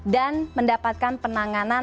dan mendapatkan penanganan